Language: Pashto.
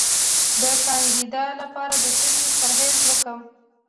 د کاندیدا لپاره د څه شي پرهیز وکړم؟